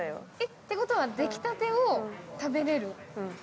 てことは出来たてを食べれる？